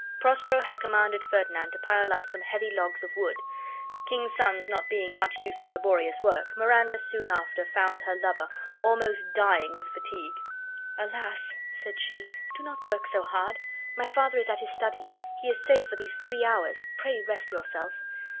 Prospero had commanded Ferdinand to pile up some heavy logs of wood. Kings' sons not being much used to laborious work, Miranda soon after found her lover almost dying with fatigue. "Alas!" said she, "do not work so hard; my father is at his studies, he is safe for these three hours; pray rest yourself."